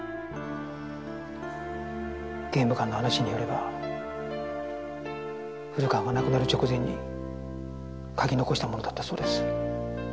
刑務官の話によれば古川が亡くなる直前に書き残したものだったそうです。